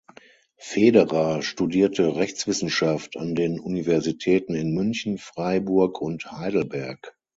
Federer studierte Rechtswissenschaft an den Universitäten in München, Freiburg und Heidelberg.